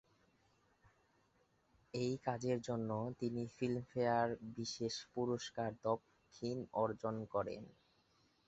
এই কাজের জন্য তিনি ফিল্মফেয়ার বিশেষ পুরস্কার দক্ষিণ অর্জন করেন।